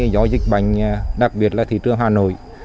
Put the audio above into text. do dịch bệnh đặc biệt là thị trường hà nội